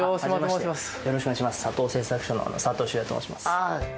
佐藤製作所の佐藤と申します。